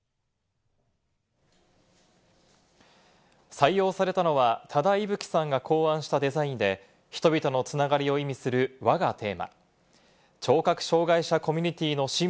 採用されたのは、多田伊吹さんが考案したデザインで、人々の繋がりを意味する「輪」がテーマ。